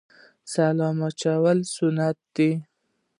سلام اچول سنت دي